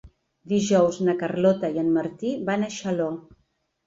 Dijous na Carlota i en Martí van a Xaló.